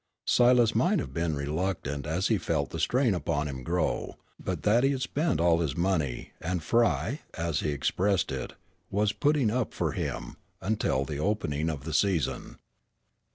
Silas might have been reluctant as he felt the strain upon him grow, but that he had spent all his money, and Frye, as he expressed it, was "putting up for him," until the opening of the season.